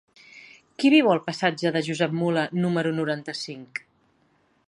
Qui viu al passatge de Josep Mula número noranta-cinc?